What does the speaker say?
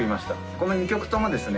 この２曲ともですね